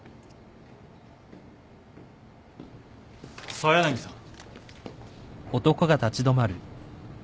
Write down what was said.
澤柳さん？